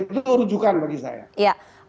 itu rujukan bagi saya